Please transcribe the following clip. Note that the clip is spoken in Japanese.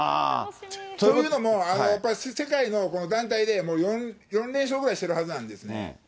というのも、世界の団体でもう４連勝くらいしてるはずなんですね。